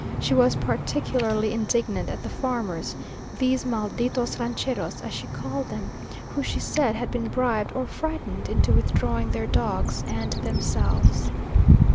She was particularly indignant at the farmers, these "malditos rancheros," as she called them, who she said had been bribed or frightened into withdrawing their dogs and themselves.